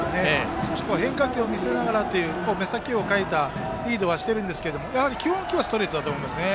少し変化球を見せながらという目先を変えたリードはしているんですけど基本球はストレートだと思います。